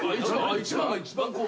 １番が一番こう。